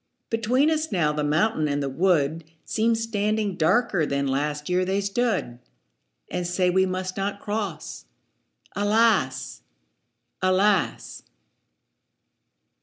Between us now the mountain and the wood Seem standing darker than last year they stood, 5 And say we must not cross—alas! alas!